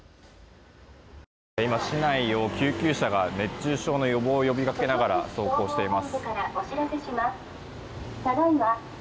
今、市内を救急車が熱中症の予防を呼び掛けながら走行しています。